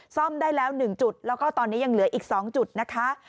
ซ่อมได้แล้ว๑จุดแล้วก็ตอนนี้ยังเหลืออีก๒จุดนะคะ